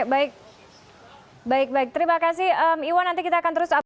baik baik terima kasih iwan nanti kita akan terus upda